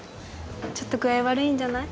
ちょっと具合悪いんじゃない？